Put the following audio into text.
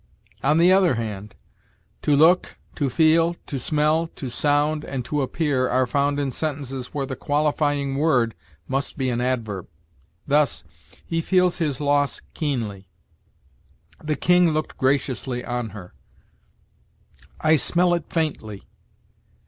On the other hand, to look, to feel, to smell, to sound, and to appear are found in sentences where the qualifying word must be an adverb; thus, "He feels his loss keenly"; "The king looked graciously on her"; "I smell it faintly."